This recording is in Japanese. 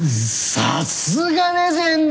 さすがレジェンド！